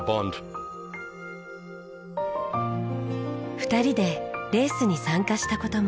２人でレースに参加した事も。